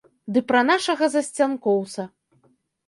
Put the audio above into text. Ды пра нашага засцянкоўца.